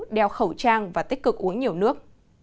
đeo khẩu trang và tích cực uống nhiều nước